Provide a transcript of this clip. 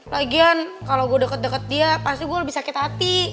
lagian kalau gue deket deket dia pasti gue lebih sakit hati